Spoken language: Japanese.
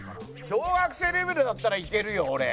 小学生レベルだったらいけるよ俺。